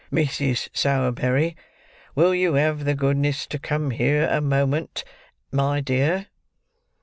"Mrs. Sowerberry, will you have the goodness to come here a moment, my dear?"